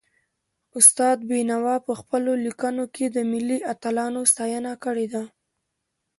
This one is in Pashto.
استاد بينوا په پخپلو ليکنو کي د ملي اتلانو ستاینه کړې ده.